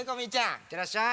いってらっしゃい。